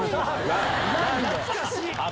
蘭懐かしい！